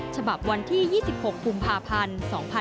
ฉบับวันที่๒๖กุมภาพันธ์๒๕๖๒